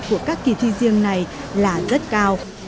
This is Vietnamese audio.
của các kỷ thi riêng này là rất cao